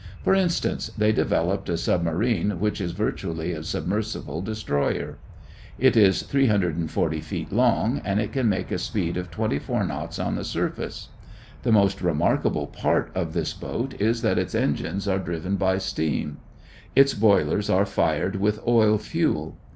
For instance, they developed a submarine which is virtually a submersible destroyer. It is 340 feet long and it can make a speed of 24 knots on the surface. The most remarkable part of this boat is that its engines are driven by steam. Its boilers are fired with oil fuel.